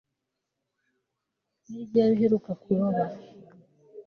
Ni ryari uheruka kuroba